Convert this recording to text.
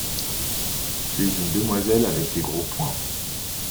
Tu es une demoiselle, avec tes gros poings.